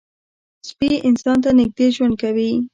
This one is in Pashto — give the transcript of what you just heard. سپي انسان ته نږدې ژوند کوي.